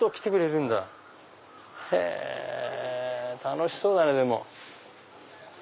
楽しそうだなでも。